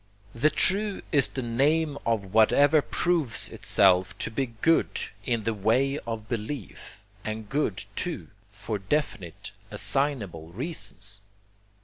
THE TRUE IS THE NAME OF WHATEVER PROVES ITSELF TO BE GOOD IN THE WAY OF BELIEF, AND GOOD, TOO, FOR DEFINITE, ASSIGNABLE REASONS.